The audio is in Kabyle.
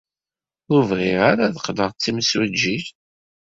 Ur bɣiɣ ara ad qqleɣ d timsujjit.